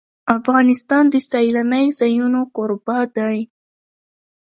افغانستان د سیلانی ځایونه کوربه دی.